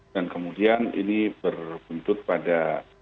dan kemudian ini berbentuk pada